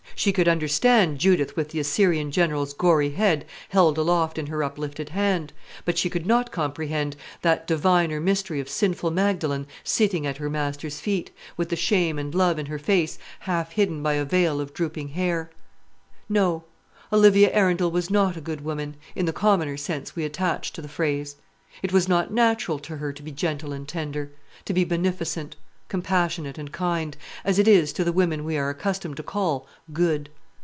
She could understand Judith with the Assyrian general's gory head held aloft in her uplifted hand; but she could not comprehend that diviner mystery of sinful Magdalene sitting at her Master's feet, with the shame and love in her face half hidden by a veil of drooping hair. No; Olivia Arundel was not a good woman, in the commoner sense we attach to the phrase. It was not natural to her to be gentle and tender, to be beneficent, compassionate, and kind, as it is to the women we are accustomed to call "good."